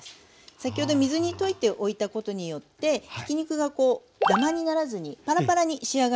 先ほど水に溶いておいたことによってひき肉がこうダマにならずにパラパラに仕上がるんですね。